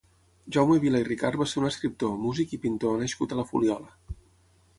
Jaume Vila i Ricart va ser un escriptor, músic i pintor nascut a la Fuliola.